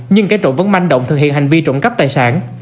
nhưng kẻ trộm vẫn manh động thực hiện hành vi trộm cắp tài sản